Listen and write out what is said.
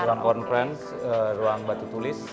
ruang conference ruang batu tulis